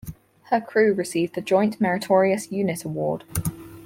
Her crew received the Joint Meritorious Unit Award.